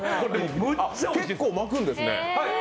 結構巻くんですね？